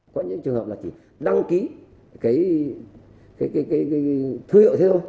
có những trường hợp là chỉ đăng ký cái thương hiệu thế thôi